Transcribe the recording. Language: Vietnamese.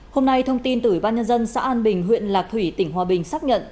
hôm nay thông tin tử ban nhân dân xã an bình huyện lạc thủy tỉnh hòa bình xác nhận